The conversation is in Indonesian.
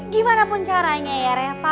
gimanapun caranya ya reva